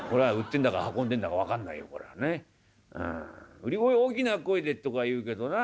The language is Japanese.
『売り声大きな声で』とか言うけどなあ